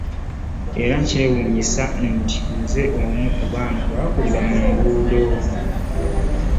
Era kyewuunyisa nti nze omu ku baana abaakulira ku nguudo